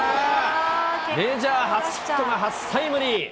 メジャー初ヒットが初タイムリー。